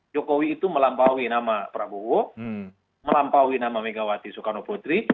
jokowi itu melampaui nama pranowo melampaui nama megawati soekarnopoetri